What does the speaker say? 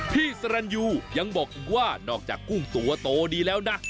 พี่สรรยูยังบอกอีกว่านอกจากกุ้งตัวโตดีแล้วนะ